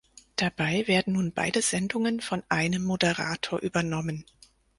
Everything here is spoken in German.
Dabei werden nun beide Sendungen von einem Moderator übernommen.